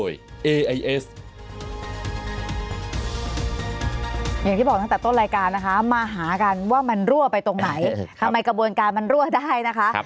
อย่างที่บอกตั้งแต่ต้นรายการนะคะมาหากันว่ามันรั่วไปตรงไหนทำไมกระบวนการมันรั่วได้นะคะ